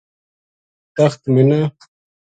تخت منا